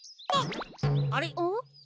あれ？